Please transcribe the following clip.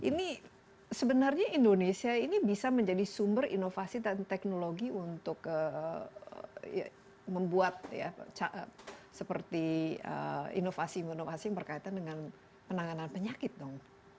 ini sebenarnya indonesia ini bisa menjadi sumber inovasi dan teknologi untuk membuat ya seperti inovasi inovasi yang berkaitan dengan penanganan penyakit dong